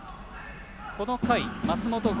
この回、松本剛